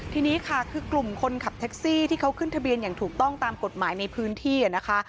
ทีนี้ค่ะคือกลุ่มคนขับแท็กซี่ที่เขาขึ้นทะเบียนอย่างถูกต้องตามกฎหมายในพื้นที่นะคะ